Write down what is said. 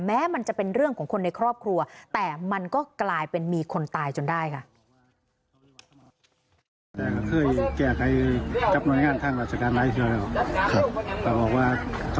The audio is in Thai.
แม้มันจะเป็นเรื่องของคนในครอบครัวแต่มันก็กลายเป็นมีคนตายจนได้ค่ะ